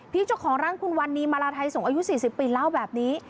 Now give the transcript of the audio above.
เจ้าของร้านคุณวันนี้มาลาไทยสงฆ์อายุ๔๐ปีเล่าแบบนี้